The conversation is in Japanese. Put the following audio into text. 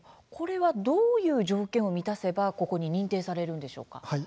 これはどういう条件を満たせば認定されるんでしょうか。